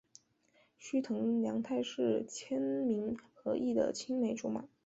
须藤良太是千明和义的青梅竹马。